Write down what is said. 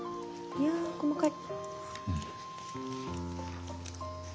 いや細かい。